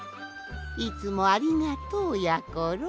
いつもありがとうやころ。